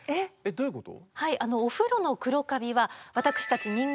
どういうこと？